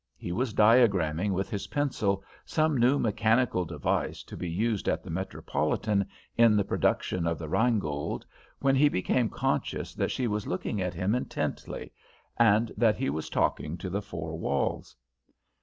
He was diagramming with his pencil some new mechanical device to be used at the Metropolitan in the production of the Rheingold, when he became conscious that she was looking at him intently, and that he was talking to the four walls.